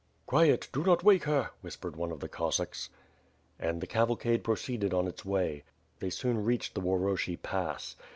"Quiet; do not wake her," whispered one of th€ Cossacks. And the cavalcade proceeded on its way. They soon reached the Uoroshehi Pass.